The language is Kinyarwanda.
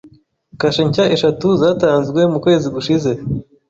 Kashe nshya eshatu zatanzwe mu kwezi gushize.